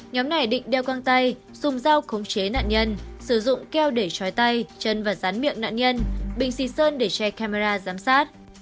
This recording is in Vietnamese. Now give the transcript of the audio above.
nhóm này định đeo găng tay dùng dao khống chế nạn nhân sử dụng keo để chói tay chân và rán miệng nạn nhân bình xịt sơn để che camera giám sát